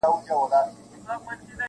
چي دا ستا معاش نو ولي نه ډيريږي,